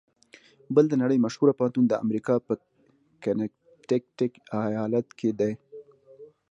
یل د نړۍ مشهوره پوهنتون د امریکا په کنېکټیکیټ ایالات کې ده.